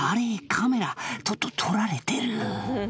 カメラと撮られてる」